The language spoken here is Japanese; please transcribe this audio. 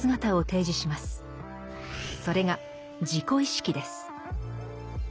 それが「自己意識」です。